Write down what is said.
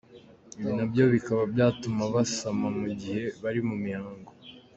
Ibi na byo bikaba byatuma basama mu gihe bari mu mihango.